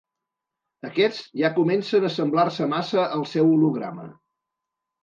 Aquests ja comencen a semblar-se massa al seu holograma.